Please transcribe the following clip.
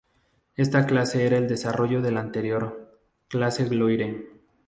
Esta clase era el desarrollo de la anterior "Clase Gloire".